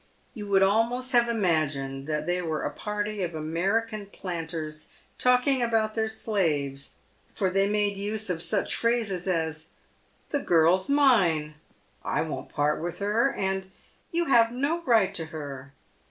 _ You would almost have imagined that they were a party of^Amerlcan planters talking about their slaves, for they made use of such phrases as, " The girl's mine" — "I won't part with her" — and " You have no right to her."